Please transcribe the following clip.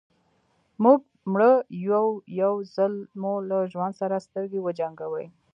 موږ مړه يو يو ځل مو له ژوند سره سترګې وجنګوئ.